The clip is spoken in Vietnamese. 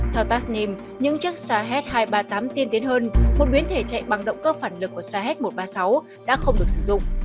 theo tastnim những chiếc sah hai trăm ba mươi tám tiên tiến hơn một biến thể chạy bằng động cơ phản lực của sah một trăm ba mươi sáu đã không được sử dụng